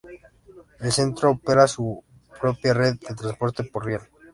El Centro opera su propia red de transporte por riel.